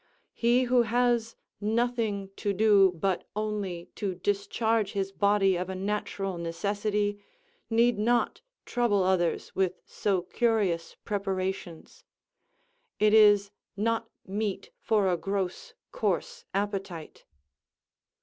He who has nothing to do but only to discharge his body of a natural necessity, need not trouble others with so curious preparations: it is not meat for a gross, coarse appetite.